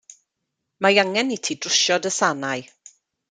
Mae angen i ti drwsio dy sanau.